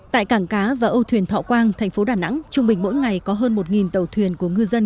tại cảng cá và âu thuyền thọ quang thành phố đà nẵng trung bình mỗi ngày có hơn một tàu thuyền của ngư dân